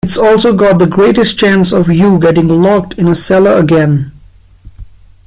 It's also got the greatest chance of you getting locked in a cellar again.